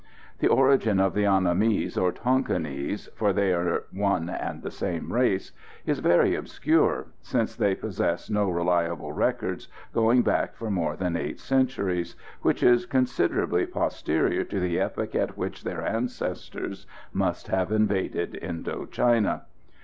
The origin of the Annamese or Tonquinese for they are one and the same race is very obscure, since they possess no reliable records going back for more than eight centuries, which is considerably posterior to the epoch at which their ancestors must have invaded Indo China.